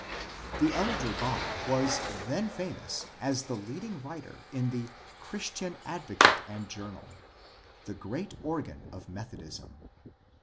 The elder Bond was then famous as the leading writer in the ^^ Christian Advocate and Journal,'' the great organ of Methodism.